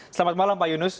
selamat malam pak yunus